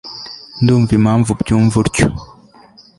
Ndumva impamvu ubyumva utyo